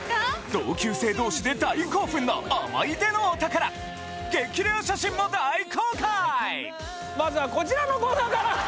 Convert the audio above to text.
同級生同士で大興奮の思い出のお宝まずはこちらのコーナーから。